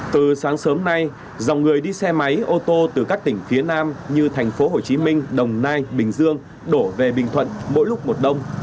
từ sáng sớm nay dòng người đi xe máy ô tô từ các tỉnh phía nam như thành phố hồ chí minh đồng nai bình dương đổ về bình thuận mỗi lúc một đông